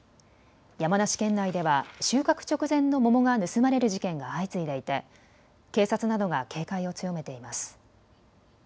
山梨県内では収穫直前の桃が盗まれる事件が相次いでいて警察などが警戒を強めています。